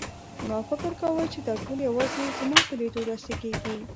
ما فکر کاوه چې دا ټول یوازې زما په لیدو داسې کېږي.